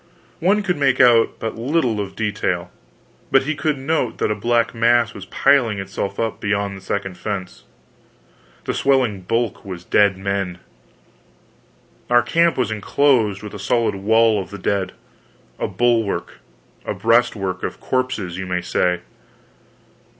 One could make out but little of detail; but he could note that a black mass was piling itself up beyond the second fence. That swelling bulk was dead men! Our camp was enclosed with a solid wall of the dead a bulwark, a breastwork, of corpses, you may say.